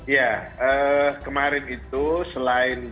ya kemarin itu selain